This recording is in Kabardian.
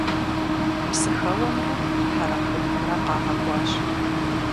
Псыхэуэмрэ хьэрэхьупымрэ къагъэкӀуащ.